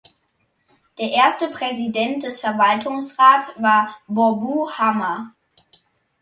Der erste Präsident des Verwaltungsrats war Boubou Hama.